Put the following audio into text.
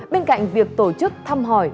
bên cạnh việc tổ chức thăm hỏi